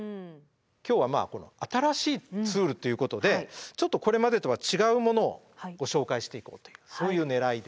今日は新しいツールということでちょっとこれまでとは違うものをご紹介していこうというそういうねらいです。